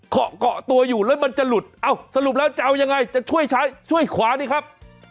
เกาะเกาะตัวอยู่แล้วมันจะหลุดเอ้าสรุปแล้วจะเอายังไงจะช่วยใช้ช่วยขวานี่ครับ